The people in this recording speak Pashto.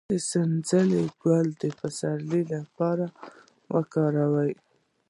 د سنبل ګل د پسرلي لپاره وکاروئ